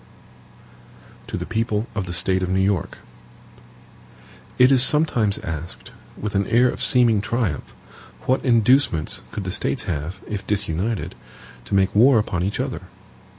Thursday, November 15, 1787 HAMILTON To the People of the State of New York: IT IS sometimes asked, with an air of seeming triumph, what inducements could the States have, if disunited, to make war upon each other?